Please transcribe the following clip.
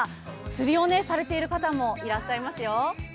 釣りをされている方もいらっしゃいますよ。